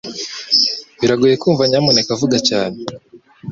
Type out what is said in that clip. Biragoye kumva nyamuneka vuga cyane